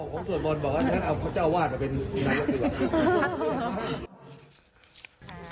ผมส่วนบอลบอกว่าเขาจะเอาว่าแต่เป็นหนักศึกษา